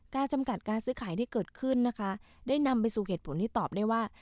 จำกัดการซื้อขายที่เกิดขึ้นนะคะได้นำไปสู่เหตุผลที่ตอบได้ว่า